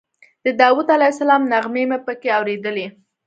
د داود علیه السلام نغمې مې په کې اورېدې.